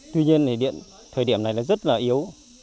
tuy nhiên thời điểm này rất là yếu